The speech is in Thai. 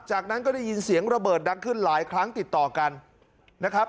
จากนั้นก็ได้ยินเสียงระเบิดดังขึ้นหลายครั้งติดต่อกันนะครับ